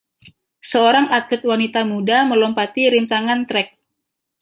Seorang atlet wanita muda melompati rintangan trek.